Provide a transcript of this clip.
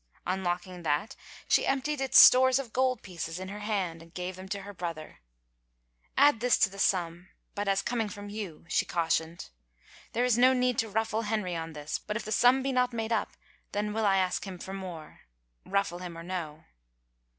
Unlocking that, she emptied its stores of gold pieces in her hand and gave them to her brother. " Add this to the sum, but as coming from you," she cautioned. " There is no need to ruflBe Henry on this but if the sum be not made up then will I ask him for more, ruffle him or no.